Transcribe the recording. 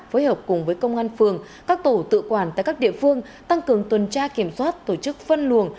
phối hợp cùng với công an phường các tổ tự quản tại các địa phương tăng cường tuần tra kiểm soát tổ chức phân luồng